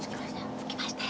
着きましたよ。